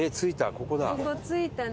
ここ着いたね。